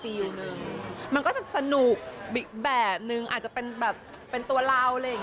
อีกแบบนึงอาจจะเป็นตัวเรา